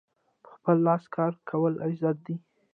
په خپل لاس کار کول عزت دی.